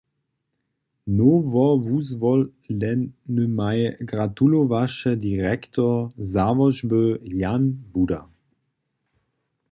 Nowowuzwolenymaj gratulowaše direktor załožby Jan Budar.